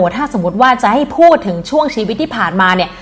ถ้าสมมุติว่าจะให้พูดถึงช่วงชีวิตที่ผ่านมาเนี่ย